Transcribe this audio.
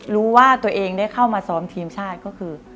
รู้ว่าตัวเองได้เข้ามาซ้อมทีมชาติก็คือ